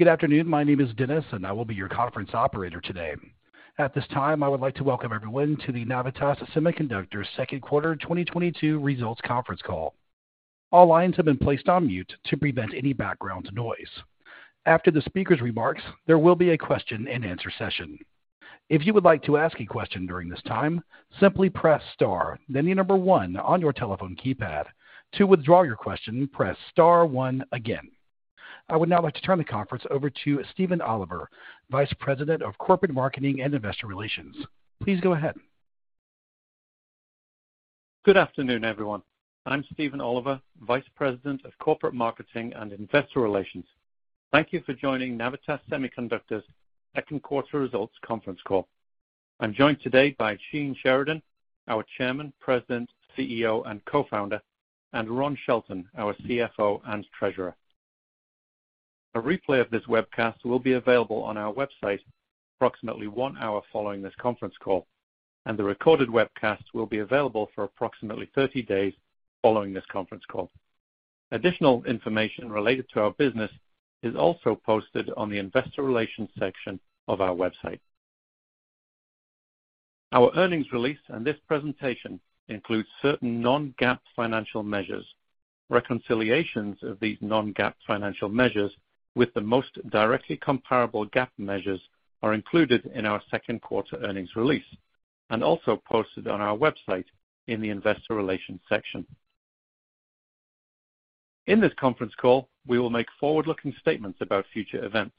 Good afternoon. My name is Dennis, and I will be your conference operator today. At this time, I would like to welcome everyone to the Navitas Semiconductor Q2 2022 Results Conference Call. All lines have been placed on mute to prevent any background noise. After the speaker's remarks, there will be a question-and-answer session. If you would like to ask a question during this time, simply press star then the number one on your telephone keypad. To withdraw your question, press star one again. I would now like to turn the conference over to Stephen Oliver, Vice President of Corporate Marketing and Investor Relations. Please go ahead. Good afternoon, everyone. I'm Stephen Oliver, Vice President of Corporate Marketing and Investor Relations. Thank you for joining Navitas Semiconductor's Q2 Results Conference Call. I'm joined today by Gene Sheridan, our Chairman, President, CEO, and Co-founder, and Ron Shelton, our CFO and Treasurer. A replay of this webcast will be available on our website approximately one hour following this conference call, and the recorded webcast will be available for approximately 30 days following this conference call. Additional information related to our business is also posted on the investor relations section of our website. Our earnings release and this presentation includes certain non-GAAP financial measures. Reconciliations of these non-GAAP financial measures with the most directly comparable GAAP measures are included in our Q2 earnings release and also posted on our website in the investor relations section. In this conference call, we will make forward-looking statements about future events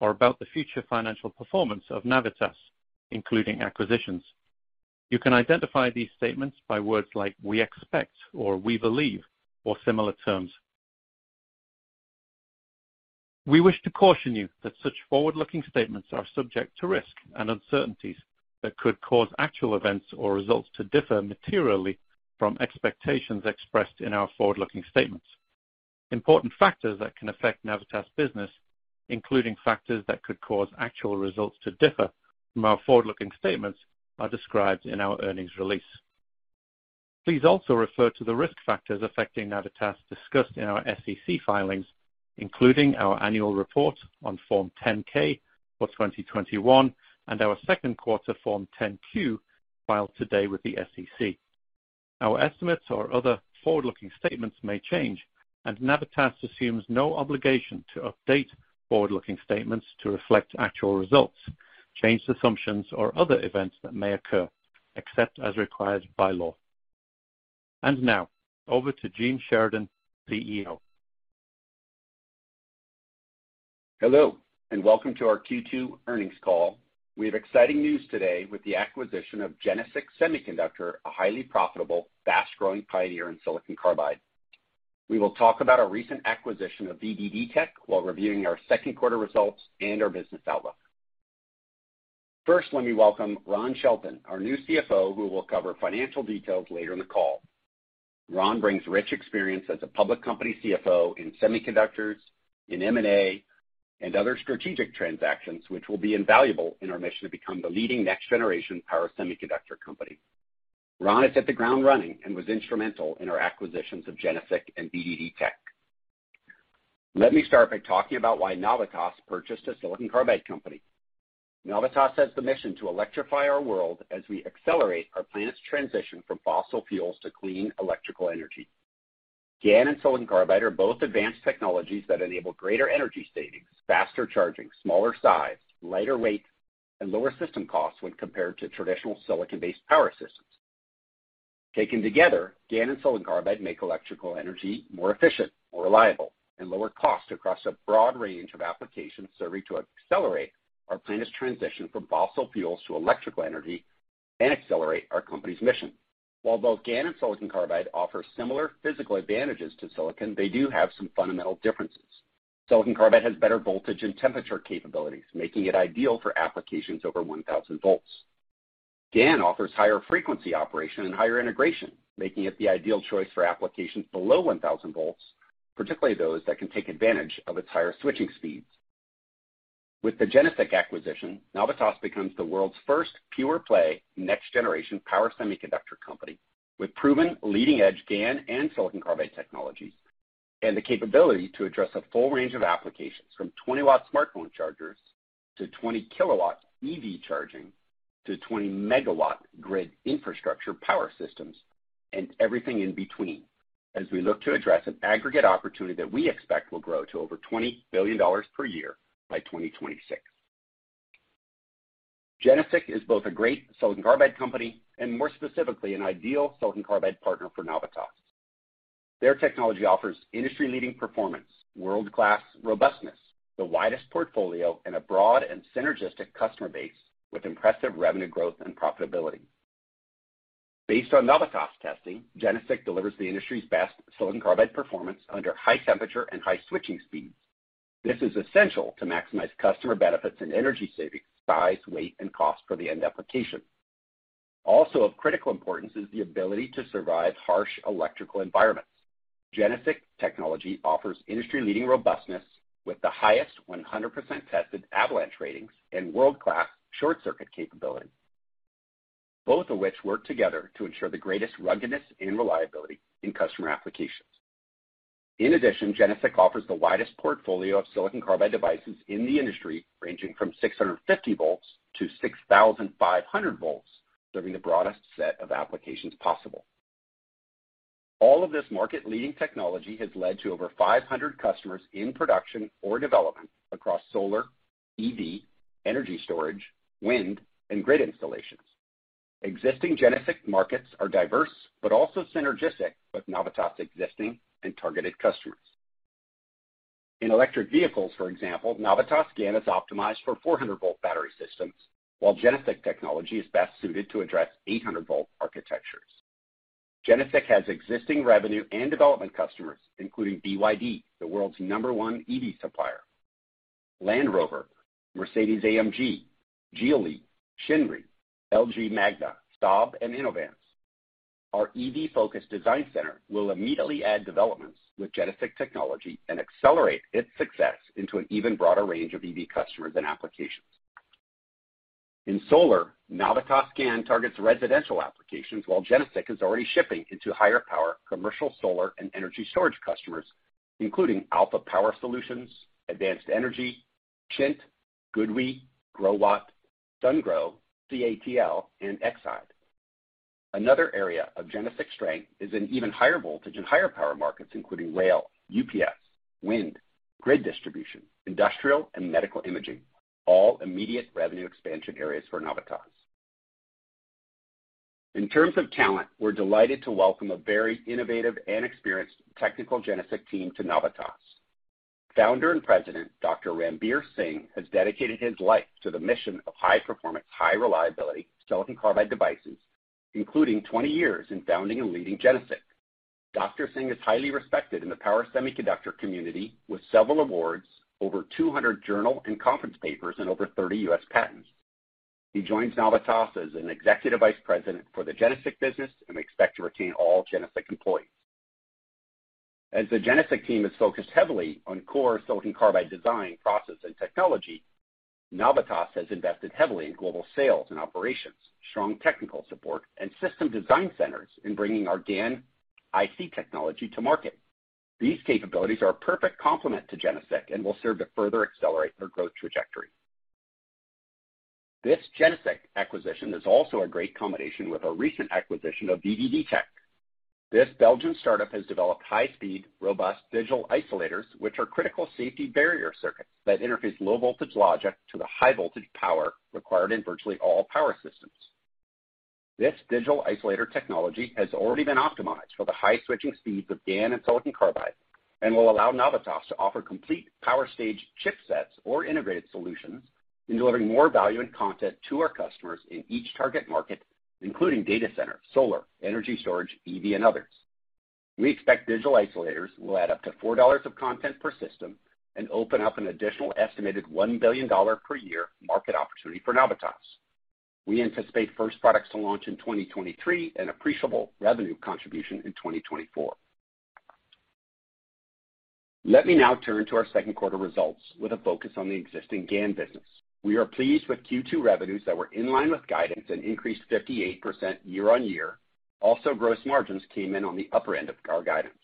or about the future financial performance of Navitas, including acquisitions. You can identify these statements by words like "we expect" or "we believe" or similar terms. We wish to caution you that such forward-looking statements are subject to risk and uncertainties that could cause actual events or results to differ materially from expectations expressed in our forward-looking statements. Important factors that can affect Navitas' business, including factors that could cause actual results to differ from our forward-looking statements, are described in our earnings release. Please also refer to the risk factors affecting Navitas discussed in our SEC filings, including our annual report on Form 10-K for 2021 and our Q2 Form 10-Q filed today with the SEC. Our estimates or other forward-looking statements may change, and Navitas assumes no obligation to update forward-looking statements to reflect actual results, changed assumptions or other events that may occur, except as required by law. Now over to Gene Sheridan, CEO. Hello, and welcome to our Q2 earnings call. We have exciting news today with the acquisition of GeneSiC Semiconductor, a highly profitable, fast-growing pioneer in silicon carbide. We will talk about our recent acquisition of VDD Tech while reviewing our Q2 results and our business outlook. First, let me welcome Ron Shelton, our new CFO, who will cover financial details later in the call. Ron brings rich experience as a public company CFO in semiconductors, in M&A, and other strategic transactions, which will be invaluable in our mission to become the leading next generation power semiconductor company. Ron is hitting the ground running and was instrumental in our acquisitions of GeneSiC and VDD Tech. Let me start by talking about why Navitas purchased a silicon carbide company. Navitas has the mission to electrify our world as we accelerate our planet's transition from fossil fuels to clean electrical energy. GaN and silicon carbide are both advanced technologies that enable greater energy savings, faster charging, smaller size, lighter weight, and lower system costs when compared to traditional silicon-based power systems. Taken together, GaN and silicon carbide make electrical energy more efficient, more reliable, and lower cost across a broad range of applications, serving to accelerate our planet's transition from fossil fuels to electrical energy and accelerate our company's mission. While both GaN and silicon carbide offer similar physical advantages to silicon, they do have some fundamental differences. Silicon carbide has better voltage and temperature capabilities, making it ideal for applications over 1,000 volts. GaN offers higher frequency operation and higher integration, making it the ideal choice for applications below 1,000 volts, particularly those that can take advantage of its higher switching speeds. With the GeneSiC acquisition, Navitas becomes the world's first pure-play next generation power semiconductor company, with proven leading edge GaN and silicon carbide technologies and the capability to address a full range of applications from 20W smartphone chargers to 20 KW EV charging to 20 MW grid infrastructure power systems and everything in between as we look to address an aggregate opportunity that we expect will grow to over $20 billion per year by 2026. GeneSiC is both a great silicon carbide company and more specifically, an ideal silicon carbide partner for Navitas. Their technology offers industry-leading performance, world-class robustness, the widest portfolio and a broad and synergistic customer base with impressive revenue growth and profitability. Based on Navitas testing, GeneSiC delivers the industry's best silicon carbide performance under high temperature and high switching speeds. This is essential to maximize customer benefits and energy savings, size, weight, and cost for the end application. Also of critical importance is the ability to survive harsh electrical environments. GeneSiC technology offers industry-leading robustness with the highest 100% tested avalanche ratings and world-class short circuit capability. Both of which work together to ensure the greatest ruggedness and reliability in customer applications. In addition, GeneSiC offers the widest portfolio of silicon carbide devices in the industry, ranging from 650 volts to 6,500 volts, serving the broadest set of applications possible. All of this market-leading technology has led to over 500 customers in production or development across solar, EV, energy storage, wind, and grid installations. Existing GeneSiC markets are diverse but also synergistic with Navitas existing and targeted customers. In electric vehicles, for example, Navitas GaN is optimized for 400-volt battery systems, while GeneSiC technology is best suited to address 800-volt architectures. GeneSiC has existing revenue and development customers, including BYD, the world's number one EV supplier, Land Rover, Mercedes-AMG, Geely, Shinry, LG Magna e-Powertrain, Saab, and Inovance. Our EV-focused design center will immediately add developments with GeneSiC technology and accelerate its success into an even broader range of EV customers and applications. In solar, Navitas GaN targets residential applications, while GeneSiC is already shipping into higher power commercial solar and energy storage customers, including AlphaESS, Advanced Energy, Chint, GoodWe, Growatt, Sungrow, CATL, and Exide. Another area of GeneSiC strength is an even higher voltage and higher power markets, including rail, UPS, wind, grid distribution, industrial and medical imaging, all immediate revenue expansion areas for Navitas. In terms of talent, we're delighted to welcome a very innovative and experienced technical GeneSiC team to Navitas. Founder and President, Dr. Ranbir Singh, has dedicated his life to the mission of high performance, high reliability silicon carbide devices, including 20 years in founding and leading GeneSiC. Dr. Singh is highly respected in the power semiconductor community with several awards, over 200 journal and conference papers and over 30 U.S. patents. He joins Navitas as an executive vice president for the GeneSiC business, and we expect to retain all GeneSiC employees. As the GeneSiC team is focused heavily on core silicon carbide design, process, and technology, Navitas has invested heavily in global sales and operations, strong technical support, and system design centers in bringing our GaN IC technology to market. These capabilities are a perfect complement to GeneSiC and will serve to further accelerate their growth trajectory. This GeneSiC acquisition is also a great combination with our recent acquisition of VDD Tech. This Belgian start-up has developed high speed, robust digital isolators, which are critical safety barrier circuits that interface low voltage logic to the high voltage power required in virtually all power systems. This digital isolator technology has already been optimized for the high switching speeds of GaN and silicon carbide, and will allow Navitas to offer complete power stage chipsets or integrated solutions in delivering more value and content to our customers in each target market, including data center, solar, energy storage, EV, and others. We expect digital isolators will add up to $4 of content per system and open up an additional estimated $1 billion per year market opportunity for Navitas. We anticipate first products to launch in 2023 and appreciable revenue contribution in 2024. Let me now turn to our Q2 results with a focus on the existing GaN business. We are pleased with Q2 revenues that were in line with guidance and increased 58% year-over-year. Also, gross margins came in on the upper end of our guidance.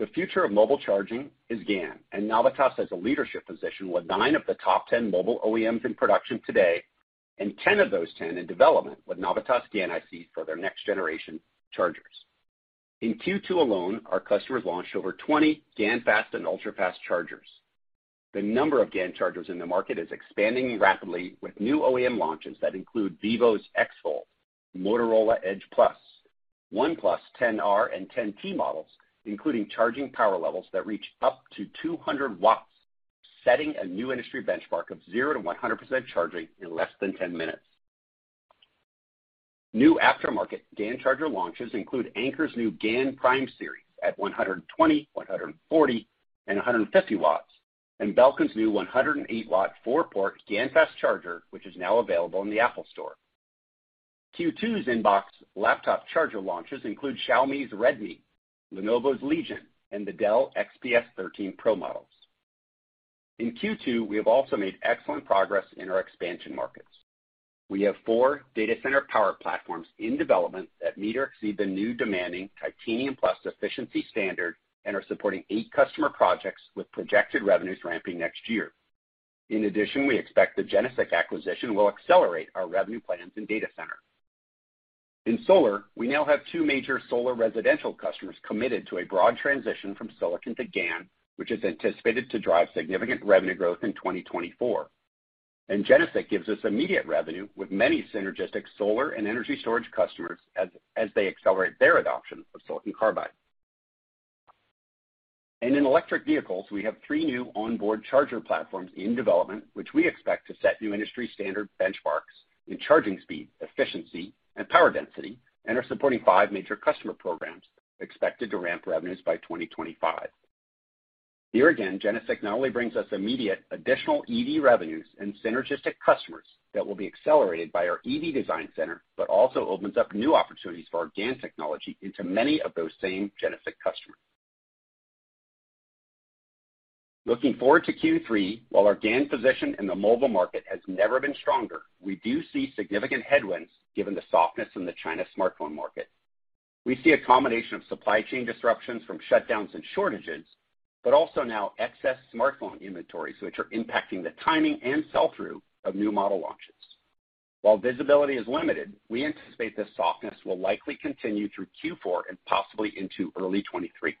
The future of mobile charging is GaN, and Navitas has a leadership position with nine of the top 10 mobile OEMs in production today and 10 of those 10 in development with Navitas GaN IC for their next generation chargers. In Q2 alone, our customers launched over 20 GaN fast and ultra-fast chargers. The number of GaN chargers in the market is expanding rapidly with new OEM launches that include Vivo's X Fold, Motorola Edge Plus, OnePlus 10R and 10T models, including charging power levels that reach up to 200 W, setting a new industry benchmark of 0%-100% charging in less than 10 minutes. New aftermarket GaN charger launches include Anker's new GaNPrime series at 120, 140, and 150 W, and Belkin's new 108-watt four-port GaN fast charger, which is now available in the Apple Store. Q2's in-box laptop charger launches include Xiaomi's Redmi, Lenovo's Legion, and the Dell XPS 13 Plus models. In Q2, we have also made excellent progress in our expansion markets. We have four data center power platforms in development that meet or exceed the new demanding Titanium Plus efficiency standard and are supporting eight customer projects with projected revenues ramping next year. In addition, we expect the GeneSiC acquisition will accelerate our revenue plans in data center. In solar, we now have two major solar residential customers committed to a broad transition from silicon to GaN, which is anticipated to drive significant revenue growth in 2024. GeneSiC gives us immediate revenue with many synergistic solar and energy storage customers as they accelerate their adoption of silicon carbide. In electric vehicles, we have three new onboard charger platforms in development, which we expect to set new industry standard benchmarks in charging speed, efficiency and power density, and are supporting five major customer programs expected to ramp revenues by 2025. Here again, GeneSiC not only brings us immediate additional EV revenues and synergistic customers that will be accelerated by our EV design center, but also opens up new opportunities for our GaN technology into many of those same GeneSiC customers. Looking forward to Q3, while our GaN position in the mobile market has never been stronger, we do see significant headwinds given the softness in the China smartphone market. We see a combination of supply chain disruptions from shutdowns and shortages, but also now excess smartphone inventories, which are impacting the timing and sell-through of new model launches. While visibility is limited, we anticipate this softness will likely continue through Q4 and possibly into early 2023.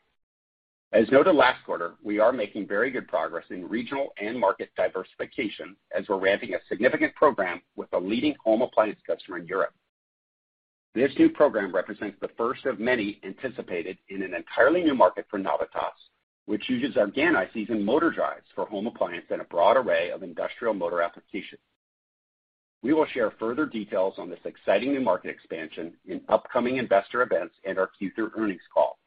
As noted last quarter, we are making very good progress in regional and market diversification as we're ramping a significant program with a leading home appliance customer in Europe. This new program represents the first of many anticipated in an entirely new market for Navitas, which uses our GaN ICs in motor drives for home appliance and a broad array of industrial motor applications. We will share further details on this exciting new market expansion in upcoming investor events and our Q3 earnings call.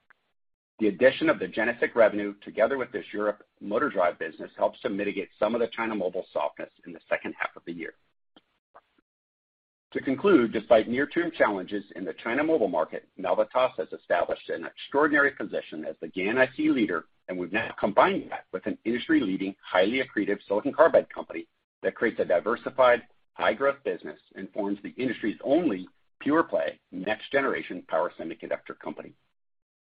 The addition of the GeneSiC revenue together with this Europe motor drive business helps to mitigate some of the China mobile softness in the second half of the year. To conclude, despite near-term challenges in the China mobile market, Navitas has established an extraordinary position as the GaN IC leader, and we've now combined that with an industry-leading, highly accretive silicon carbide company that creates a diversified, high-growth business and forms the industry's only pure-play next-generation power semiconductor company.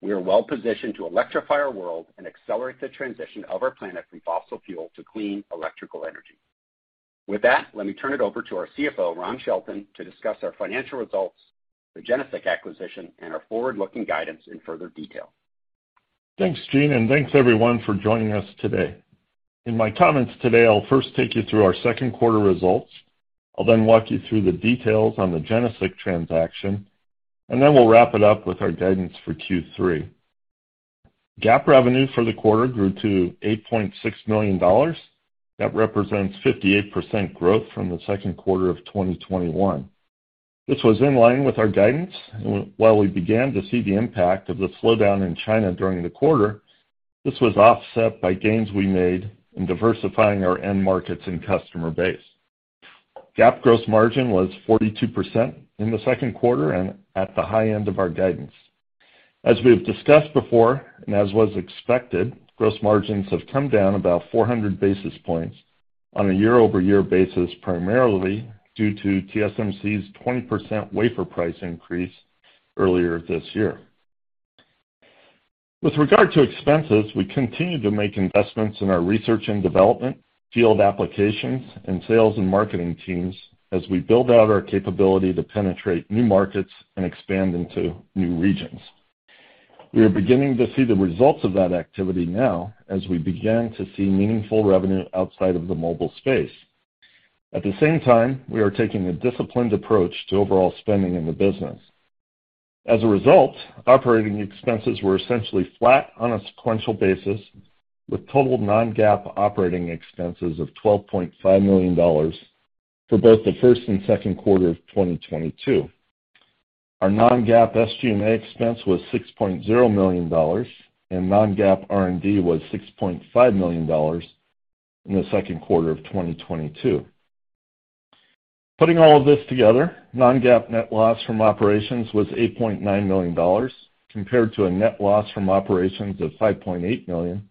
We are well positioned to electrify our world and accelerate the transition of our planet from fossil fuel to clean electrical energy. With that, let me turn it over to our CFO, Ron Shelton, to discuss our financial results, the GeneSiC acquisition, and our forward-looking guidance in further detail. Thanks, Gene, and thanks everyone for joining us today. In my comments today, I'll first take you through our Q2 results. I'll then walk you through the details on the GeneSiC transaction, and then we'll wrap it up with our guidance for Q3. GAAP revenue for the quarter grew to $8.6 million. That represents 58% growth from the Q2 of 2021. This was in line with our guidance. While we began to see the impact of the slowdown in China during the quarter, this was offset by gains we made in diversifying our end markets and customer base. GAAP gross margin was 42% in the Q2 and at the high end of our guidance. As we have discussed before, and as was expected, gross margins have come down about 400 basis points on a year-over-year basis, primarily due to TSMC's 20% wafer price increase earlier this year. With regard to expenses, we continue to make investments in our research and development, field applications, and sales and marketing teams as we build out our capability to penetrate new markets and expand into new regions. We are beginning to see the results of that activity now as we begin to see meaningful revenue outside of the mobile space. At the same time, we are taking a disciplined approach to overall spending in the business. As a result, operating expenses were essentially flat on a sequential basis, with total non-GAAP operating expenses of $12.5 million for both the first and Q2 of 2022. Our non-GAAP SG&A expense was $6.0 million, and non-GAAP R&D was $6.5 million in the Q2 of 2022. Putting all of this together, non-GAAP net loss from operations was $8.9 million, compared to a net loss from operations of $5.8 million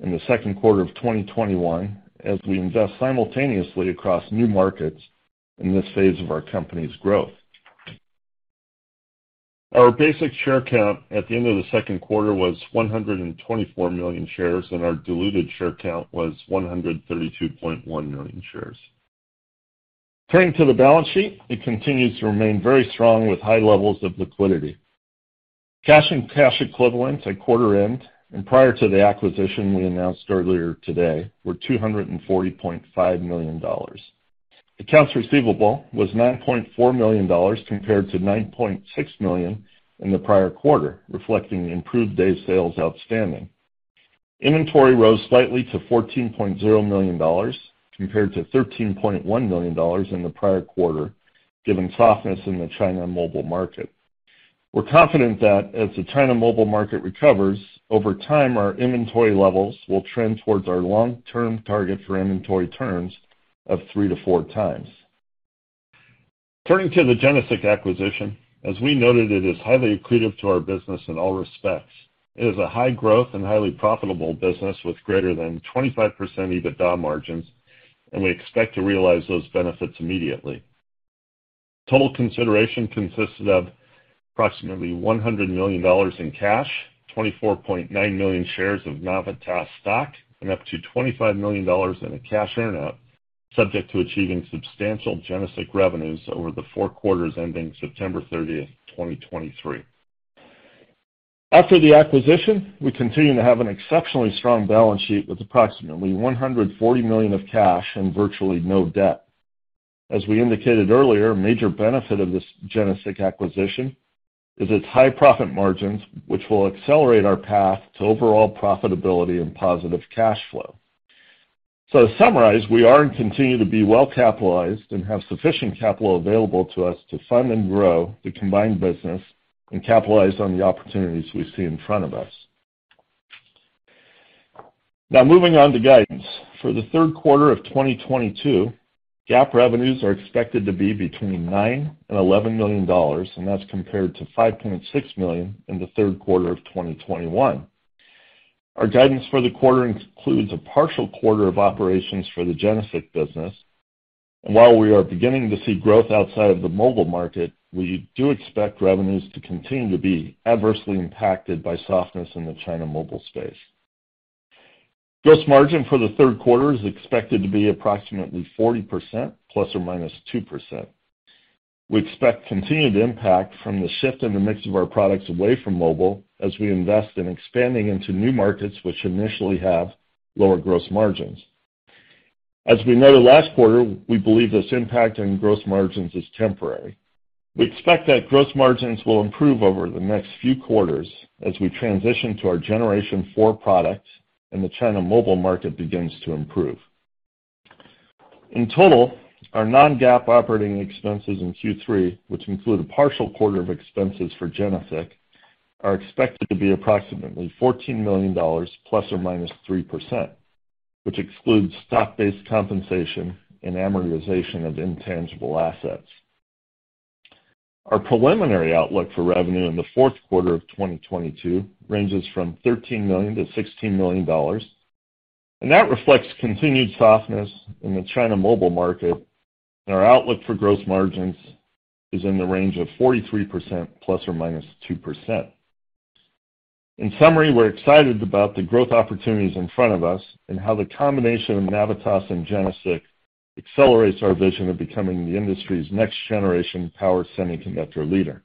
in the Q2 of 2021, as we invest simultaneously across new markets in this phase of our company's growth. Our basic share count at the end of the Q2 was 124 million shares, and our diluted share count was 132.1 million shares. Turning to the balance sheet, it continues to remain very strong with high levels of liquidity. Cash and cash equivalents at quarter-end and prior to the acquisition we announced earlier today were $240.5 million. Accounts receivable was $9.4 million compared to $9.6 million in the prior quarter, reflecting the improved days sales outstanding. Inventory rose slightly to $14.0 million compared to $13.1 million in the prior quarter, given softness in the China mobile market. We're confident that as the China mobile market recovers over time, our inventory levels will trend towards our long-term target for inventory turns of 3x-4x. Turning to the GeneSiC acquisition, as we noted, it is highly accretive to our business in all respects. It is a high-growth and highly profitable business with greater than 25% EBITDA margins, and we expect to realize those benefits immediately. Total consideration consisted of approximately $100 million in cash, 24.9 million shares of Navitas stock, and up to $25 million in a cash earnout, subject to achieving substantial GeneSiC revenues over the four quarters ending September 30th, 2023. After the acquisition, we continue to have an exceptionally strong balance sheet with approximately $140 million of cash and virtually no debt. As we indicated earlier, a major benefit of this GeneSiC acquisition is its high profit margins, which will accelerate our path to overall profitability and positive cash flow. To summarize, we are and continue to be well-capitalized and have sufficient capital available to us to fund and grow the combined business and capitalize on the opportunities we see in front of us. Now moving on to guidance. For the Q3 of 2022, GAAP revenues are expected to be between $9 million and $11 million, and that's compared to $5.6 million in the Q3 of 2021. Our guidance for the quarter includes a partial quarter of operations for the GeneSiC business. While we are beginning to see growth outside of the mobile market, we do expect revenues to continue to be adversely impacted by softness in the China mobile space. Gross margin for the Q3 is expected to be approximately 40% ±2%. We expect continued impact from the shift in the mix of our products away from mobile as we invest in expanding into new markets, which initially have lower gross margins. As we noted last quarter, we believe this impact on gross margins is temporary. We expect that gross margins will improve over the next few quarters as we transition to our Generation four products and the China mobile market begins to improve. In total, our non-GAAP operating expenses in Q3, which include a partial quarter of expenses for GeneSiC, are expected to be approximately $14 million ±3%, which excludes stock-based compensation and amortization of intangible assets. Our preliminary outlook for revenue in the Q4 of 2022 ranges from $13 million-$16 million, and that reflects continued softness in the China mobile market. Our outlook for gross margins is in the range of 43% ±2%. In summary, we're excited about the growth opportunities in front of us and how the combination of Navitas and GeneSiC accelerates our vision of becoming the industry's next generation power semiconductor leader.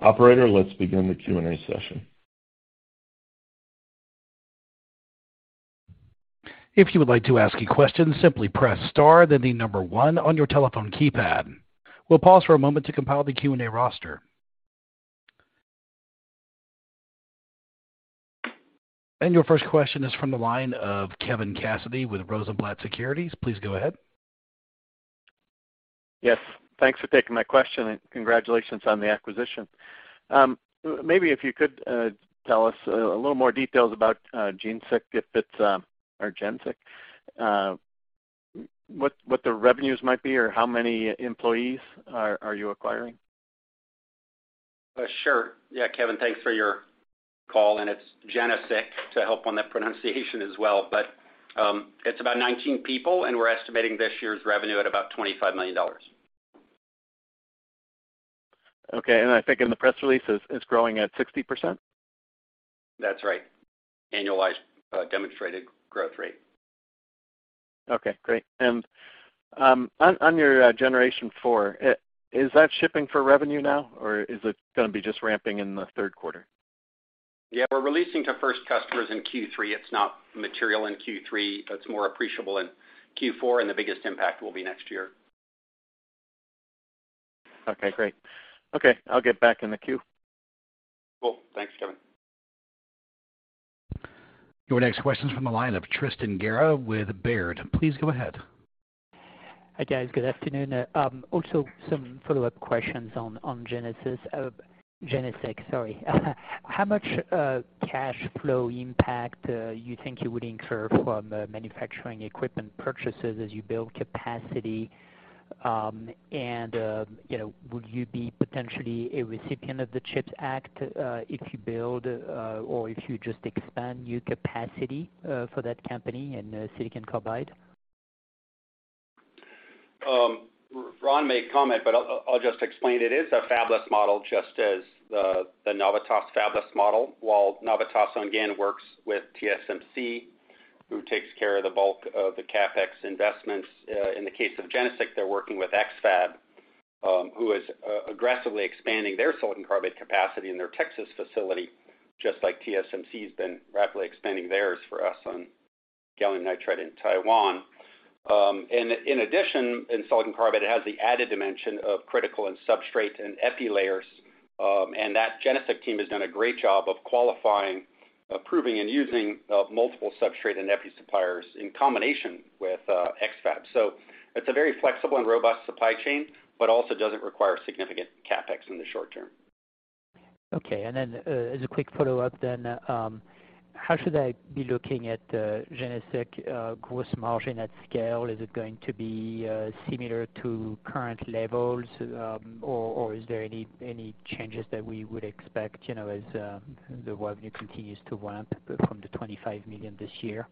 Operator, let's begin the Q&A session. If you would like to ask a question, simply press star, then the number one on your telephone keypad. We'll pause for a moment to compile the Q&A roster. Your first question is from the line of Kevin Cassidy with Rosenblatt Securities. Please go ahead. Yes, thanks for taking my question, and congratulations on the acquisition. Maybe if you could tell us a little more details about GeneSiC, what the revenues might be or how many employees are you acquiring? Sure. Yeah, Kevin, thanks for your call. It's GeneSiC to help on the pronunciation as well. It's about 19 people, and we're estimating this year's revenue at about $25 million. Okay. I think in the press release it's growing at 60%. That's right. Annualized, demonstrated growth rate. Okay, great. On your Generation four, is that shipping for revenue now or is it gonna be just ramping in the Q3? Yeah. We're releasing to first customers in Q3. It's not material in Q3. It's more appreciable in Q4 and the biggest impact will be next year. Okay, great. Okay, I'll get back in the queue. Cool. Thanks, Kevin. Your next question's from the line of Tristan Gerra with Baird. Please go ahead. Hi, guys. Good afternoon. Also some follow-up questions on GeneSiC. How much cash flow impact you think you would incur from manufacturing equipment purchases as you build capacity? You know, would you be potentially a recipient of the CHIPS Act if you build or if you just expand new capacity for that company in silicon carbide? Ron may comment, but I'll just explain it is a fabless model just as the Navitas fabless model. While Navitas on GaN works with TSMC who takes care of the bulk of the CapEx investments, in the case of GeneSiC they're working with X-FAB, who is aggressively expanding their silicon carbide capacity in their Texas facility, just like TSMC has been rapidly expanding theirs for us on gallium nitride in Taiwan. In addition in silicon carbide it has the added dimension of critical and substrate and epi layers, and that GeneSiC team has done a great job of qualifying, approving and using multiple substrate and epi suppliers in combination with X-FAB. It's a very flexible and robust supply chain, but also doesn't require significant CapEx in the short term. Okay, as a quick follow-up then, how should I be looking at GeneSiC gross margin at scale? Is it going to be similar to current levels, or is there any changes that we would expect, you know, as the revenue continues to ramp from $25 million this year?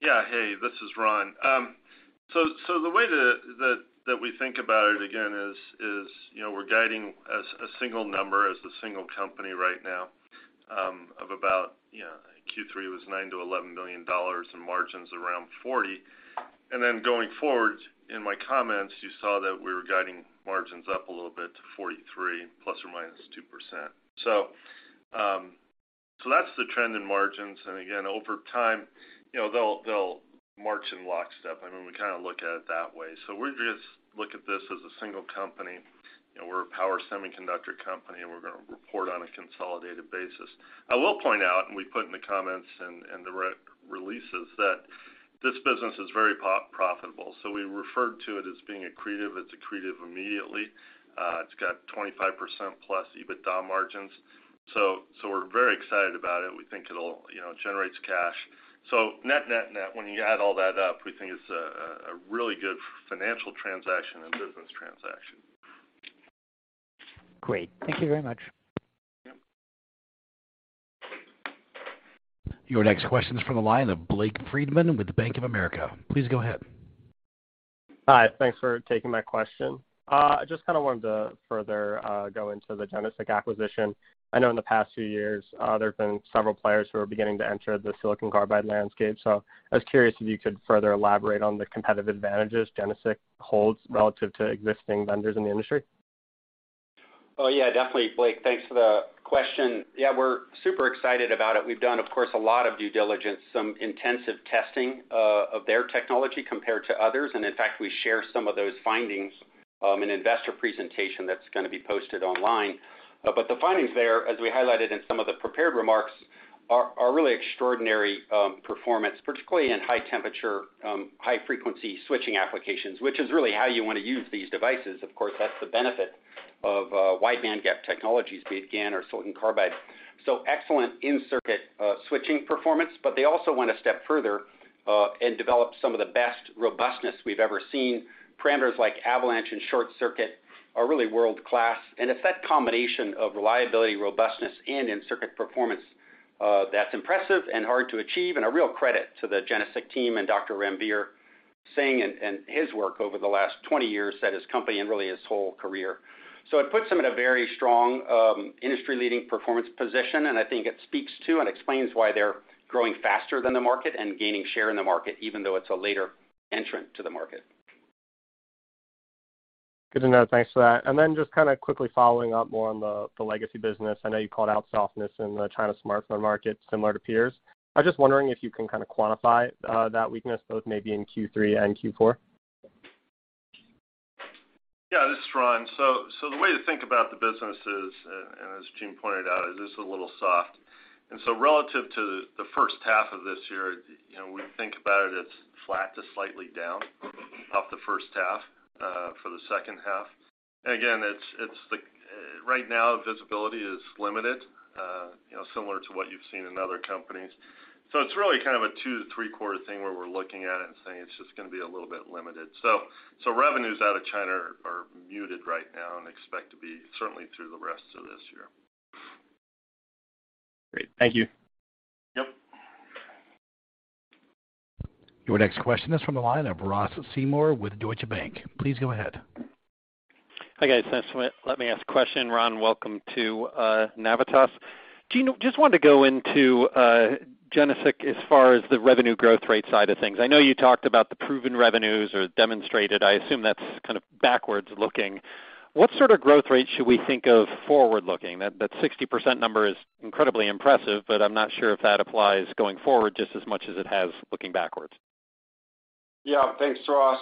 Yeah. Hey, this is Ron. So the way that we think about it again is, you know, we're guiding as a single number as a single company right now, of about, you know, Q3 was $9 million-$11 million and margins around 40%. Going forward in my comments you saw that we were guiding margins up a little bit to 43 ± 2%. That's the trend in margins. Again over time, you know, they'll march in lockstep. I mean, we kind of look at it that way. We just look at this as a single company. You know, we're a power semiconductor company and we're gonna report on a consolidated basis. I will point out and we put in the comments and the releases that this business is very profitable, so we referred to it as being accretive. It's accretive immediately. It's got 25%+ EBITDA margins. So we're very excited about it. We think it'll, you know, generates cash. Net, when you add all that up we think it's a really good financial transaction and business transaction. Great. Thank you very much. Your next question is from the line of Blake Friedman with Bank of America. Please go ahead. Hi. Thanks for taking my question. I just kind of wanted to further go into the GeneSiC acquisition. I know in the past few years, there have been several players who are beginning to enter the silicon carbide landscape. I was curious if you could further elaborate on the competitive advantages GeneSiC holds relative to existing vendors in the industry. Oh, yeah, definitely, Blake. Thanks for the question. Yeah, we're super excited about it. We've done, of course, a lot of due diligence, some intensive testing of their technology compared to others. In fact, we share some of those findings in investor presentation that's gonna be posted online. The findings there, as we highlighted in some of the prepared remarks, are really extraordinary performance, particularly in high temperature, high frequency switching applications, which is really how you wanna use these devices. Of course, that's the benefit of wide bandgap technologies, be it GaN or silicon carbide. Excellent in-circuit switching performance. They also went a step further and developed some of the best robustness we've ever seen. Parameters like avalanche and short circuit are really world-class, and it's that combination of reliability, robustness, and in-circuit performance that's impressive and hard to achieve and a real credit to the GeneSiC team and Dr. Ranbir Singh and his work over the last 20 years at his company and really his whole career. It puts him in a very strong industry-leading performance position, and I think it speaks to and explains why they're growing faster than the market and gaining share in the market, even though it's a later entrant to the market. Good to know. Thanks for that. Then just kinda quickly following up more on the legacy business. I know you called out softness in the China smartphone market similar to peers. I was just wondering if you can kinda quantify that weakness, both maybe in Q3 and Q4. Yeah, this is Ron. The way to think about the business is, and as Gene pointed out, it is a little soft. Relative to the H1 of this year, you know, when you think about it's flat to slightly down off the first half for the H2. Again, it's the right now, visibility is limited, you know, similar to what you've seen in other companies. It's really kind of two, three quarter thing where we're looking at it and saying it's just gonna be a little bit limited. Revenues out of China are muted right now and expect to be certainly through the rest of this year. Great. Thank you. Yep. Your next question is from the line of Ross Seymore with Deutsche Bank. Please go ahead. Hi, guys. Thanks for letting me ask a question. Ron, welcome to Navitas. Gene, just wanted to go into GeneSiC as far as the revenue growth rate side of things. I know you talked about the proven revenues or demonstrated. I assume that's kind of backward looking. What sort of growth rate should we think of forward-looking? That 60% number is incredibly impressive, but I'm not sure if that applies going forward just as much as it has looking backward. Yeah. Thanks, Ross.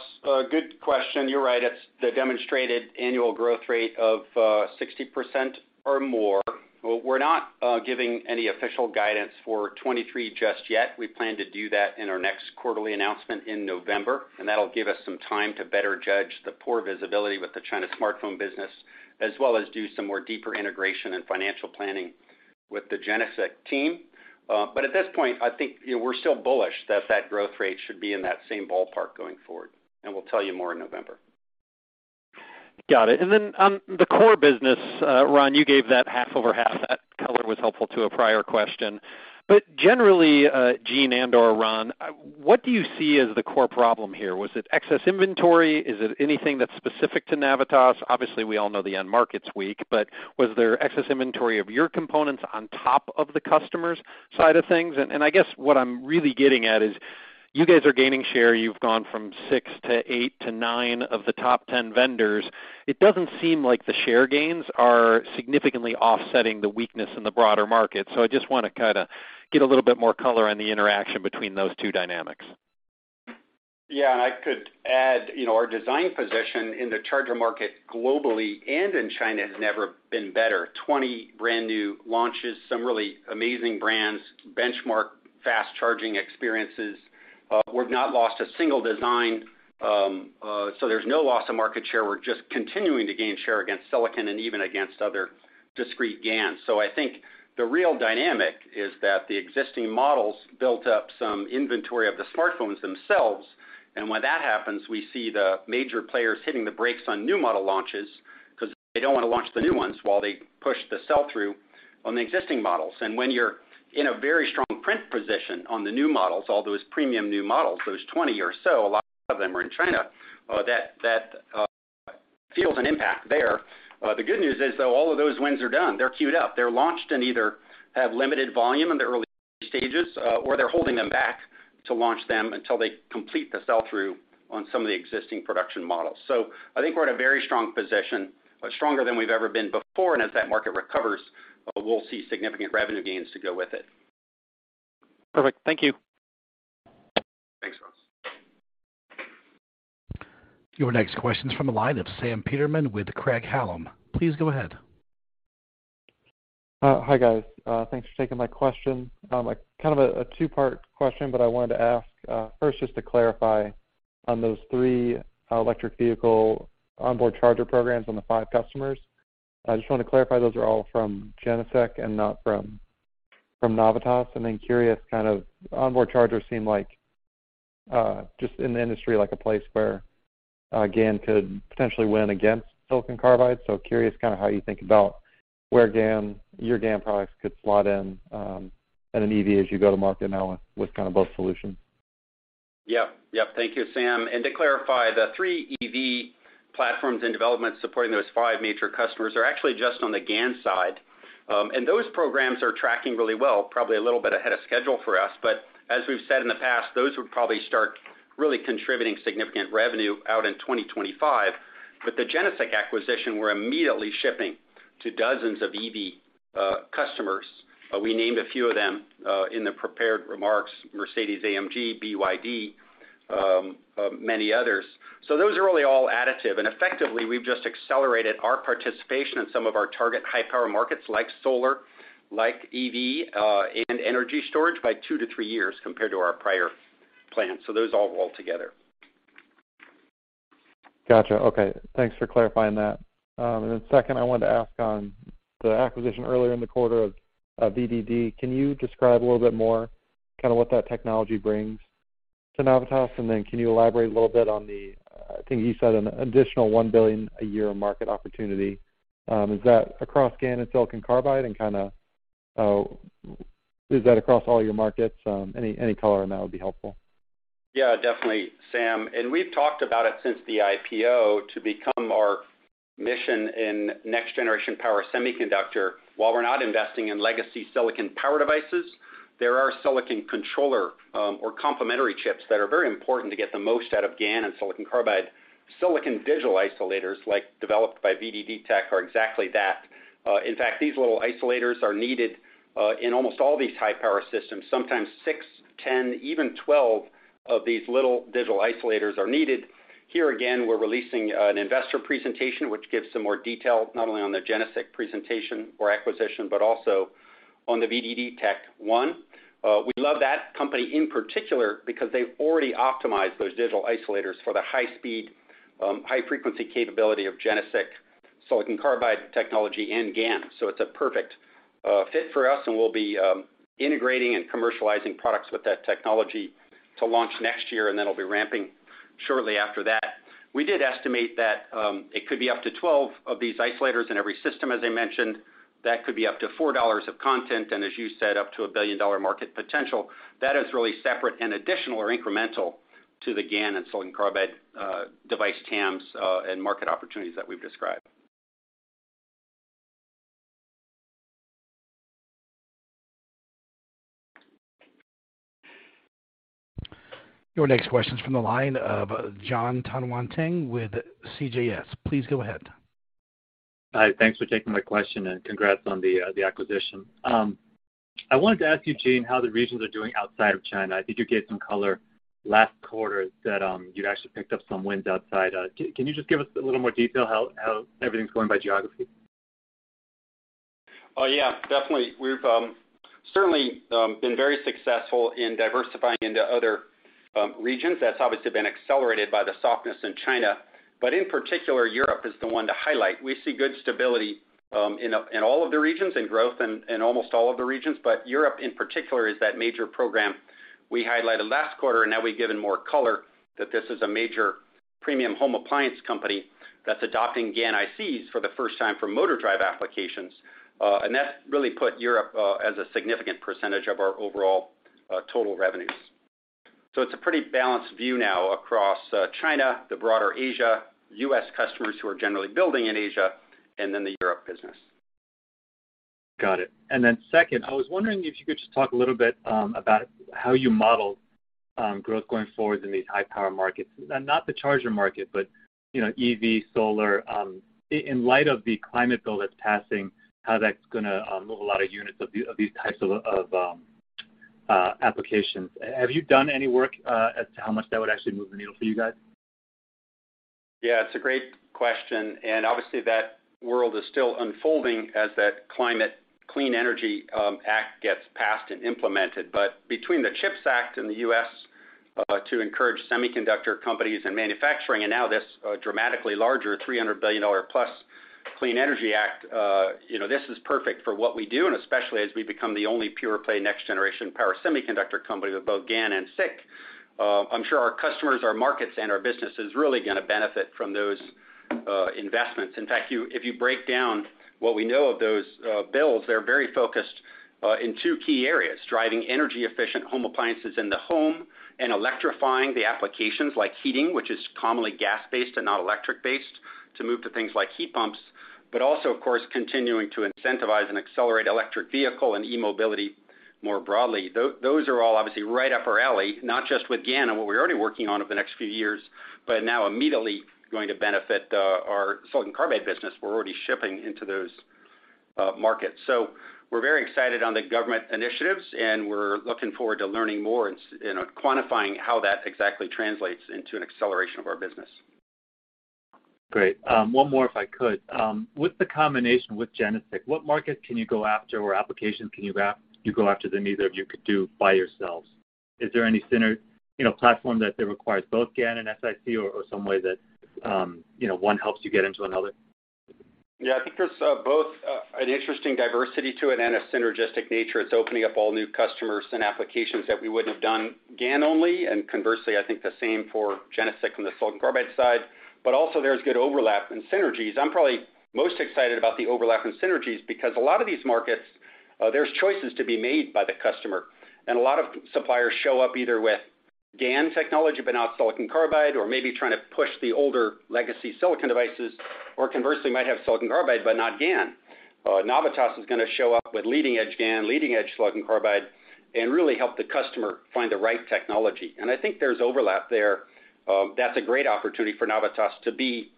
Good question. You're right. It's the demonstrated annual growth rate of 60% or more. We're not giving any official guidance for 2023 just yet. We plan to do that in our next quarterly announcement in November, and that'll give us some time to better judge the poor visibility with the China smartphone business, as well as do some more deeper integration and financial planning with the GeneSiC team. But at this point, I think, you know, we're still bullish that that growth rate should be in that same ballpark going forward. We'll tell you more in November. Got it. On the core business, Ron, you gave that half over half. That color was helpful to a prior question. Generally, Gene and/or Ron, what do you see as the core problem here? Was it excess inventory? Is it anything that's specific to Navitas? Obviously, we all know the end market's weak, but was there excess inventory of your components on top of the customer's side of things? And I guess what I'm really getting at is you guys are gaining share. You've gone from six to eight to nine of the top 10 vendors. It doesn't seem like the share gains are significantly offsetting the weakness in the broader market. I just wanna kinda get a little bit more color on the interaction between those two dynamics. Yeah. I could add, you know, our design position in the charger market globally and in China has never been better. 20 brand new launches, some really amazing brands, benchmark fast charging experiences. We've not lost a single design, so there's no loss of market share. We're just continuing to gain share against silicon and even against other discrete GaNs. I think the real dynamic is that the existing models built up some inventory of the smartphones themselves. When that happens, we see the major players hitting the brakes on new model launches 'cause they don't wanna launch the new ones while they push the sell-through on the existing models. When you're in a very strong print position on the new models, all those premium new models, those 20 or so, a lot of them are in China, that feels an impact there. The good news is, though, all of those wins are done. They're queued up. They're launched and either have limited volume in the early stages, or they're holding them back to launch them until they complete the sell-through on some of the existing production models. I think we're in a very strong position, stronger than we've ever been before, and as that market recovers, we'll see significant revenue gains to go with it. Perfect. Thank you. Thanks, Ross. Your next question is from the line of Sam Peterman with Craig-Hallum. Please go ahead. Hi, guys. Thanks for taking my question. Kind of a two-part question, but I wanted to ask, first, just to clarify on those three electric vehicle onboard charger programs on the five customers. I just wanna clarify, those are all from GeneSiC and not from Navitas. Then, curious, kind of onboard chargers seem like just in the industry, like a place where GaN could potentially win against silicon carbide. So curious kind of how you think about where GaN, your GaN products could slot in an EV as you go to market now with kind of both solutions. Yep. Yep. Thank you, Sam. To clarify, the three EV platforms in development supporting those five major customers are actually just on the GaN side. Those programs are tracking really well, probably a little bit ahead of schedule for us. As we've said in the past, those would probably start really contributing significant revenue out in 2025. With the GeneSiC acquisition, we're immediately shipping to dozens of EV customers. We named a few of them in the prepared remarks, Mercedes-AMG, BYD, many others. Those are really all additive, and effectively, we've just accelerated our participation in some of our target high power markets like solar, like EV, and energy storage by two to three years compared to our prior plan. Those all roll together. Gotcha. Okay. Thanks for clarifying that. Second, I wanted to ask on the acquisition earlier in the quarter of VDD Tech. Can you describe a little bit more kind of what that technology brings to Navitas? Can you elaborate a little bit on the, I think you said an additional $1 billion a year market opportunity. Is that across GaN and silicon carbide and kinda, is that across all your markets? Any color on that would be helpful. Yeah, definitely, Sam. We've talked about it since the IPO to become our mission in next-generation power semiconductor. While we're not investing in legacy silicon power devices, there are silicon controller or complementary chips that are very important to get the most out of GaN and silicon carbide. Silicon digital isolators, like developed by VDD Tech, are exactly that. In fact, these little isolators are needed in almost all these high power systems. Sometimes six, 10, even 12 of these little digital isolators are needed. Here again, we're releasing an investor presentation which gives some more detail, not only on the GeneSiC presentation or acquisition, but also on the VDD Tech one. We love that company in particular because they've already optimized those digital isolators for the high speed, high frequency capability of GeneSiC silicon carbide technology and GaN. It's a perfect fit for us, and we'll be integrating and commercializing products with that technology to launch next year, and that'll be ramping shortly after that. We did estimate that it could be up to 12 of these isolators in every system, as I mentioned. That could be up to $4 of content, and as you said, up to a billion-dollar market potential. That is really separate and additional or incremental to the GaN and silicon carbide device TAMs and market opportunities that we've described. Your next question is from the line of Jon Tanwanteng with CJS. Please go ahead. Hi. Thanks for taking my question and congrats on the acquisition. I wanted to ask you, Gene, how the regions are doing outside of China. I think you gave some color last quarter that you actually picked up some wins outside. Can you just give us a little more detail how everything's going by geography? Yeah, definitely. We've certainly been very successful in diversifying into other regions. That's obviously been accelerated by the softness in China. In particular, Europe is the one to highlight. We see good stability in all of the regions and growth in almost all of the regions. Europe in particular is that major program we highlighted last quarter, and now we've given more color that this is a major premium home appliance company that's adopting GaN ICs for the first time for motor drive applications. That really put Europe as a significant percentage of our overall total revenues. It's a pretty balanced view now across China, the broader Asia, U.S. customers who are generally building in Asia, and then the Europe business. Got it. Second, I was wondering if you could just talk a little bit about how you model growth going forward in these high power markets. Not the charger market, but you know, EV, solar, in light of the climate bill that's passing, how that's gonna move a lot of units of these types of applications. Have you done any work as to how much that would actually move the needle for you guys? Yeah, it's a great question, and obviously that world is still unfolding as that climate clean energy act gets passed and implemented. Between the CHIPS and Science Act in the U.S. to encourage semiconductor companies and manufacturing and now this dramatically larger $300 billion-plus clean energy act, you know, this is perfect for what we do and especially as we become the only pure play next generation power semiconductor company with both GaN and SiC. I'm sure our customers, our markets, and our business is really gonna benefit from those investments. In fact, if you break down what we know of those bills, they're very focused in two key areas, driving energy-efficient home appliances in the home and electrifying the applications like heating, which is commonly gas-based and not electric-based, to move to things like heat pumps, but also, of course, continuing to incentivize and accelerate electric vehicle and e-mobility more broadly. Those are all obviously right up our alley, not just with GaN and what we're already working on over the next few years, but now immediately going to benefit our silicon carbide business. We're already shipping into those markets. We're very excited on the government initiatives, and we're looking forward to learning more and quantifying how that exactly translates into an acceleration of our business. Great. One more if I could. With the combination with GeneSiC, what market can you go after or applications can you go after that either of you could do by yourselves? Is there any synergy, you know, platform that requires both GaN and SiC or some way that, you know, one helps you get into another? Yeah, I think there's both an interesting diversity to it and a synergistic nature. It's opening up all new customers and applications that we wouldn't have done GaN only, and conversely, I think the same for GeneSiC on the silicon carbide side. Also there's good overlap and synergies. I'm probably most excited about the overlap and synergies because a lot of these markets, there's choices to be made by the customer, and a lot of suppliers show up either with GaN technology but not silicon carbide or maybe trying to push the older legacy silicon devices, or conversely might have silicon carbide but not GaN. Navitas is gonna show up with leading-edge GaN, leading-edge silicon carbide, and really help the customer find the right technology. I think there's overlap there, that's a great opportunity for Navitas to be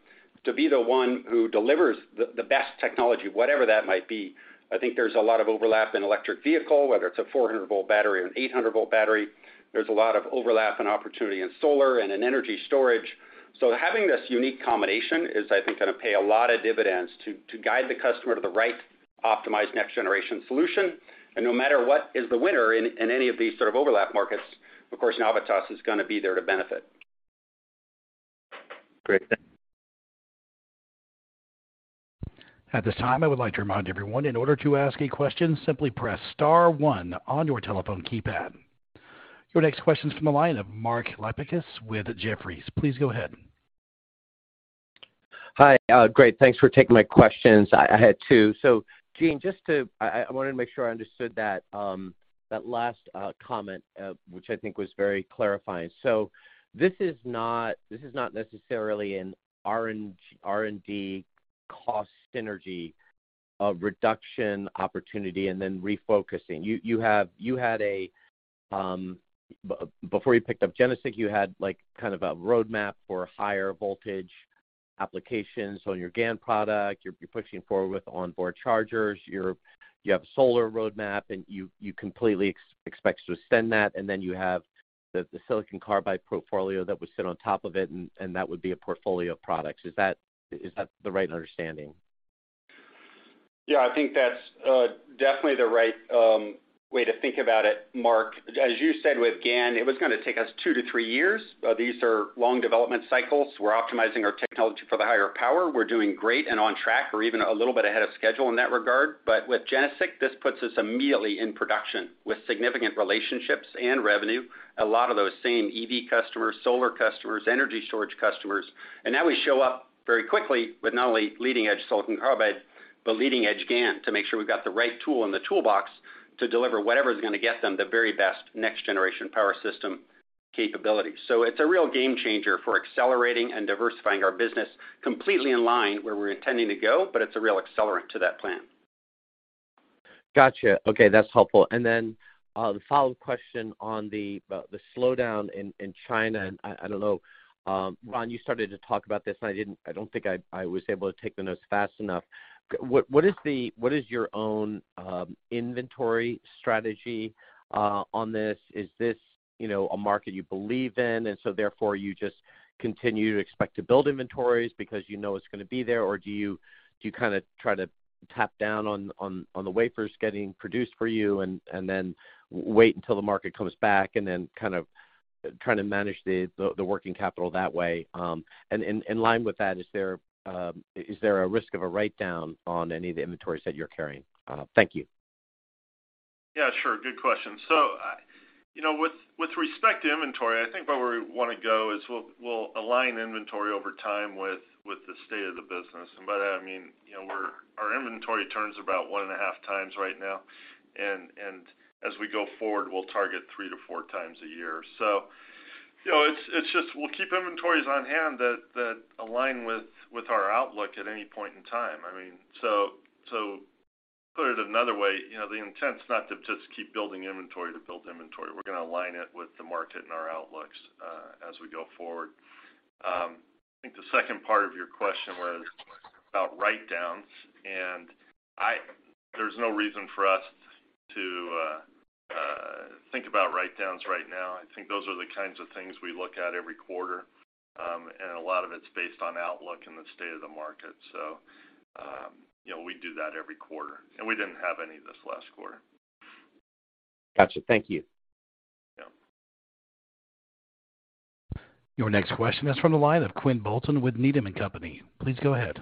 the one who delivers the best technology, whatever that might be. I think there's a lot of overlap in electric vehicle, whether it's a 400-volt battery or an 800-volt battery. There's a lot of overlap and opportunity in solar and in energy storage. Having this unique combination is, I think, gonna pay a lot of dividends to guide the customer to the right optimized next-generation solution. No matter what is the winner in any of these sort of overlap markets, of course, Navitas is gonna be there to benefit. Great. At this time, I would like to remind everyone, in order to ask a question, simply press star one on your telephone keypad. Your next question's from the line of Mark Lipacis with Jefferies. Please go ahead. Hi. Great. Thanks for taking my questions. I had two. Gene, I wanted to make sure I understood that last comment, which I think was very clarifying. This is not necessarily an R&D cost synergy reduction opportunity and then refocusing. You had a before you picked up GeneSiC, like, kind of a roadmap for higher voltage applications on your GaN product. You're pushing forward with onboard chargers. You have a solar roadmap, and you completely expect to extend that. Then you have the silicon carbide portfolio that would sit on top of it, and that would be a portfolio of products. Is that the right understanding? Yeah, I think that's definitely the right way to think about it, Mark. As you said with GaN, it was gonna take us two to three years. These are long development cycles. We're optimizing our technology for the higher power. We're doing great and on track or even a little bit ahead of schedule in that regard. With GeneSiC, this puts us immediately in production with significant relationships and revenue, a lot of those same EV customers, solar customers, energy storage customers. Now we show up very quickly with not only leading-edge silicon carbide, but leading-edge GaN to make sure we've got the right tool in the toolbox to deliver whatever's gonna get them the very best next-generation power system capability. It's a real game changer for accelerating and diversifying our business completely in line where we're intending to go, but it's a real accelerant to that plan. Gotcha. Okay, that's helpful. The follow-up question on the slowdown in China, and I don't know, Ron, you started to talk about this, and I don't think I was able to take the notes fast enough. What is your own inventory strategy on this? Is this a market you believe in, and so therefore you just continue to expect to build inventories because you know it's gonna be there? Or do you kinda try to tap down on the wafers getting produced for you and then wait until the market comes back and then kind of trying to manage the working capital that way? In line with that, is there a risk of a write-down on any of the inventories that you're carrying? I don't know. Thank you. Yeah, sure. Good question. You know, with respect to inventory, I think where we wanna go is we'll align inventory over time with the state of the business. By that I mean, you know, our inventory turns about 1.5x right now, and as we go forward, we'll target 3x-4x a year. You know, it's just we'll keep inventories on hand that align with our outlook at any point in time. I mean, so to put it another way, you know, the intent's not to just keep building inventory to build inventory. We're gonna align it with the market and our outlooks as we go forward. I think the second part of your question was about write-downs, and there's no reason for us to think about write-downs right now. I think those are the kinds of things we look at every quarter, and a lot of it's based on outlook and the state of the market. You know, we do that every quarter, and we didn't have any this last quarter. Gotcha. Thank you. Yeah. Your next question is from the line of Quinn Bolton with Needham & Company. Please go ahead.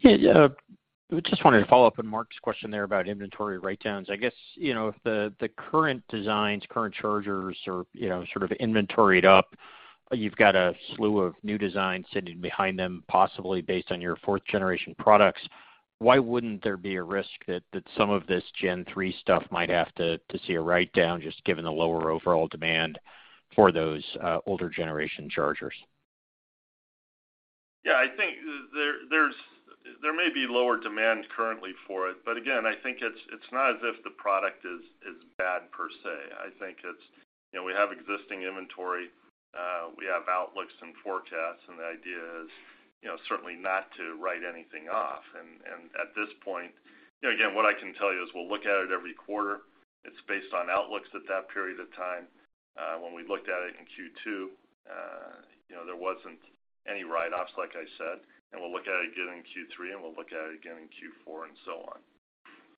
Yeah, just wanted to follow up on Mark's question there about inventory write-downs. I guess, you know, if the current designs, current chargers are, you know, sort of inventoried up, you've got a slew of new designs sitting behind them, possibly based on your fourth generation products. Why wouldn't there be a risk that some of this gen three stuff might have to see a write-down, just given the lower overall demand for those older generation chargers? Yeah, I think there may be lower demand currently for it, but again, I think it's not as if the product is bad per se. I think it's, you know, we have existing inventory, we have outlooks and forecasts, and the idea is, you know, certainly not to write anything off. At this point, you know, again, what I can tell you is we'll look at it every quarter. It's based on outlooks at that period of time. When we looked at it in Q2, you know, there wasn't any write-offs, like I said. We'll look at it again in Q3, and we'll look at it again in Q4, and so on.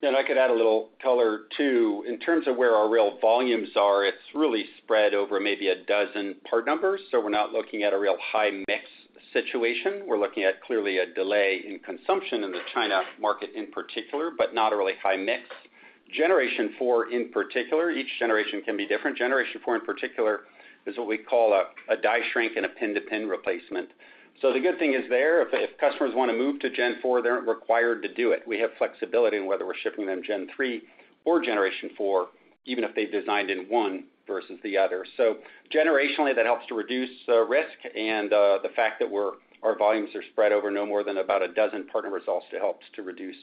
I could add a little color too. In terms of where our real volumes are, it's really spread over maybe a dozen part numbers, so we're not looking at a real high mix situation. We're looking at clearly a delay in consumption in the China market in particular, but not a really high mix. Generation four in particular, each generation can be different. Generation four in particular is what we call a die shrink and a pin-to-pin replacement. So the good thing is there, if customers wanna move to gen four, they aren't required to do it. We have flexibility in whether we're shipping them gen three or generation four, even if they've designed in one versus the other. Generationally, that helps to reduce risk and the fact that our volumes are spread over no more than about a dozen partner results to help to reduce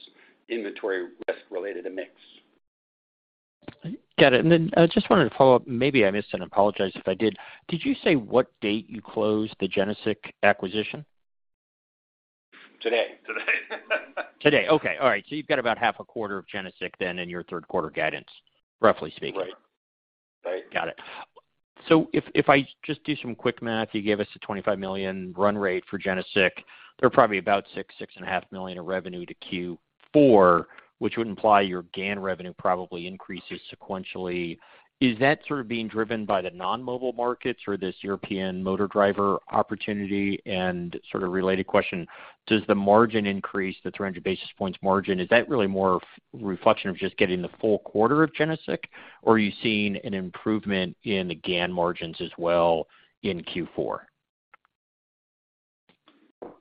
inventory risk related to mix. Got it. Just wanted to follow up. Maybe I missed, and I apologize if I did. Did you say what date you closed the GeneSiC acquisition? Today. Today. You've got about half a quarter of GeneSiC then in your Q3 guidance, roughly speaking. Right. Right. Got it. If I just do some quick math, you gave us a $25 million run rate for GeneSiC. They're probably about $6.5 million of revenue in Q4, which would imply your GaN revenue probably increases sequentially. Is that sort of being driven by the non-mobile markets or this European motor driver opportunity? Sort of related question, does the margin increase to 300 basis points margin? Is that really more reflection of just getting the full quarter of GeneSiC? Or are you seeing an improvement in the GaN margins as well in Q4?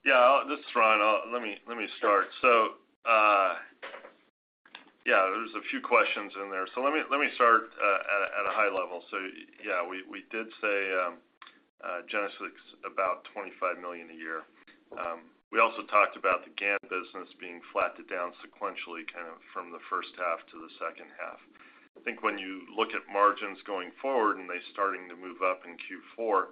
Yeah, this is Ron. Let me start. Yeah, there's a few questions in there. Let me start at a high level. Yeah, we did say, GeneSiC's about $25 million a year. We also talked about the GaN business being flat to down sequentially, kind of from the first half to the second half. I think when you look at margins going forward and they're starting to move up in Q4,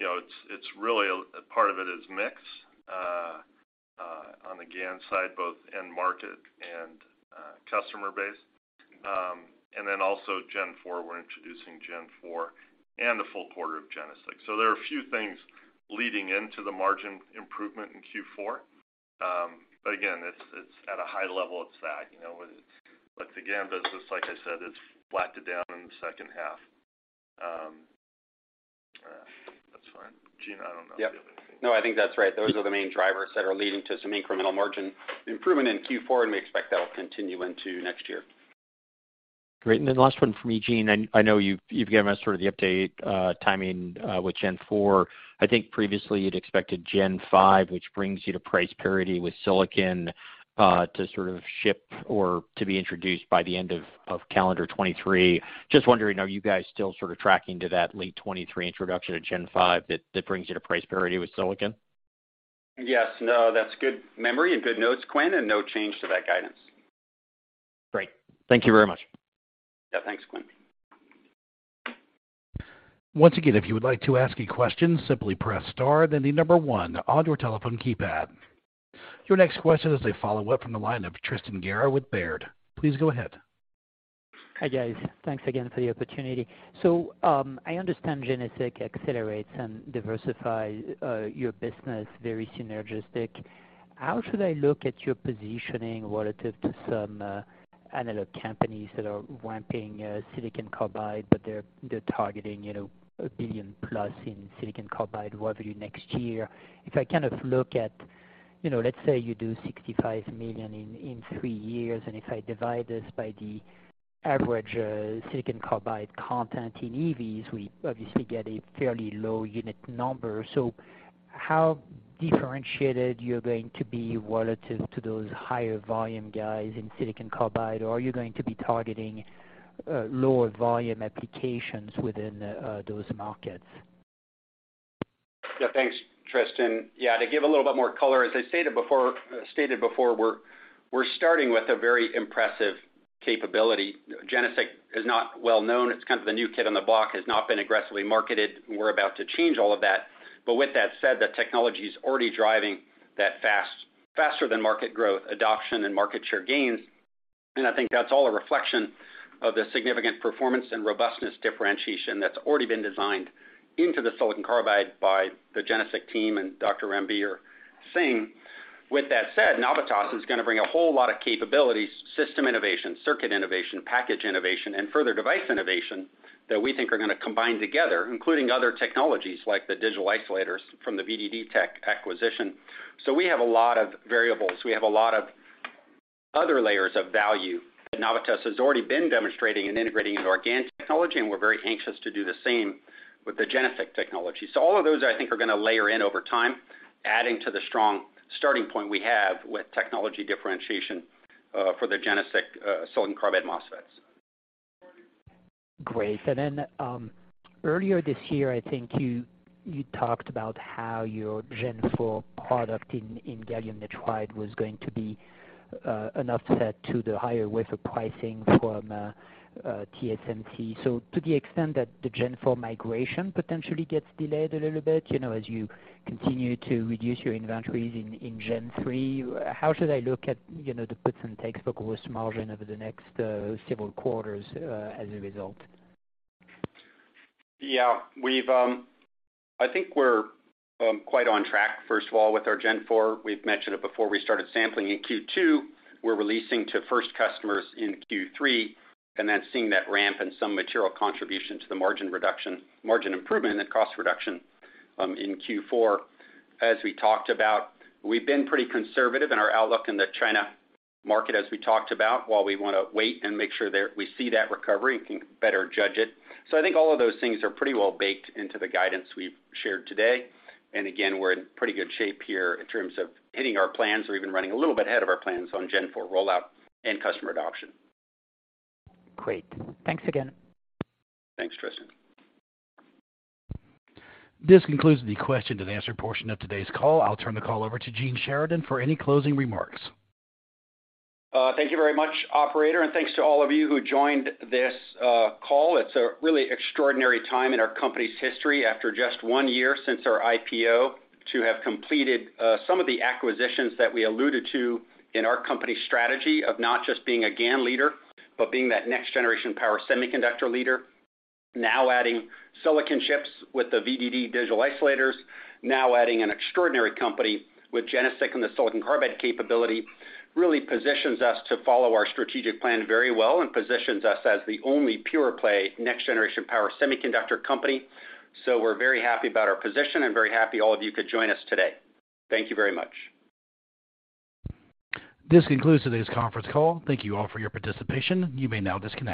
you know, it's really, part of it is mix on the GaN side, both end market and customer base. And then also gen four, we're introducing gen four and the full quarter of GeneSiC. There are a few things leading into the margin improvement in Q4. Again, it's at a high level. It's that, you know, the GaN business, like I said, is flat to down in the second half. That's fine. Gene, I don't know if you have anything. Yeah. No, I think that's right. Those are the main drivers that are leading to some incremental margin improvement in Q4, and we expect that will continue into next year. Great. Last one from me, Gene. I know you've given us sort of the update, timing, with gen four. I think previously you'd expected gen five, which brings you to price parity with silicon, to sort of ship or to be introduced by the end of calendar 2023. Just wondering, are you guys still sort of tracking to that late 2023 introduction to gen five that brings you to price parity with silicon? Yes. No, that's good memory and good notes, Quinn, and no change to that guidance. Great. Thank you very much. Yeah, thanks, Quinn. Once again, if you would like to ask a question, simply press star then the number one on your telephone keypad. Your next question is a follow-up from the line of Tristan Gera with Baird. Please go ahead. Hi, guys. Thanks again for the opportunity. I understand GeneSiC accelerates and diversify your business very synergistic. How should I look at your positioning relative to some analog companies that are ramping silicon carbide, but they're targeting, you know, $1 billion+ in silicon carbide revenue next year? If I kind of look at, you know, let's say you do $65 million in three years, and if I divide this by the average silicon carbide content in EVs, we obviously get a fairly low unit number. How differentiated you're going to be relative to those higher volume guys in silicon carbide? Or are you going to be targeting lower volume applications within those markets? Yeah. Thanks, Tristan. Yeah, to give a little bit more color, as I stated before, we're starting with a very impressive capability. GeneSiC is not well known. It's kind of the new kid on the block, has not been aggressively marketed, and we're about to change all of that. With that said, the technology's already driving that fast, faster than market growth, adoption and market share gains. I think that's all a reflection of the significant performance and robustness differentiation that's already been designed into the silicon carbide by the GeneSiC team and Dr. Ranbir Singh. With that said, Navitas is gonna bring a whole lot of capabilities, system innovation, circuit innovation, package innovation, and further device innovation that we think are gonna combine together, including other technologies like the digital isolators from the VDD Tech acquisition. We have a lot of variables. We have a lot of other layers of value that Navitas has already been demonstrating and integrating into our GaN technology, and we're very anxious to do the same with the GeneSiC technology. All of those, I think, are gonna layer in over time, adding to the strong starting point we have with technology differentiation for the GeneSiC silicon carbide MOSFETs. Great. Earlier this year, I think you talked about how your gen four product in gallium nitride was going to be an offset to the higher wafer pricing from TSMC. To the extent that the gen four migration potentially gets delayed a little bit, you know, as you continue to reduce your inventories in gen three, how should I look at, you know, the puts and takes for gross margin over the next several quarters as a result? Yeah. I think we're quite on track, first of all, with our gen four. We've mentioned it before. We started sampling in Q2. We're releasing to first customers in Q3, and then seeing that ramp and some material contribution to the margin improvement and the cost reduction in Q4. As we talked about, we've been pretty conservative in our outlook in the China market, as we talked about, while we wanna wait and make sure we see that recovery and can better judge it. I think all of those things are pretty well baked into the guidance we've shared today. Again, we're in pretty good shape here in terms of hitting our plans or even running a little bit ahead of our plans on gen four rollout and customer adoption. Great. Thanks again. Thanks, Tristan. This concludes the question and answer portion of today's call. I'll turn the call over to Gene Sheridan for any closing remarks. Thank you very much, operator, and thanks to all of you who joined this call. It's a really extraordinary time in our company's history, after just one year since our IPO, to have completed some of the acquisitions that we alluded to in our company strategy of not just being a GaN leader, but being that next generation power semiconductor leader. Now adding silicon chips with the VDD digital isolators, now adding an extraordinary company with GeneSiC and the silicon carbide capability, really positions us to follow our strategic plan very well and positions us as the only pure play next generation power semiconductor company. We're very happy about our position and very happy all of you could join us today. Thank you very much. This concludes today's conference call. Thank you all for your participation. You may now disconnect.